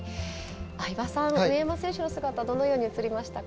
相葉さん、上山選手の姿どのように映りましたか？